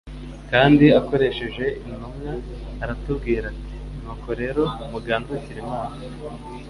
kandi akoresheje intumwa aratubwira ati : «Nuko rero mugandukire Imana,